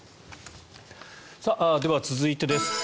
では、続いてです。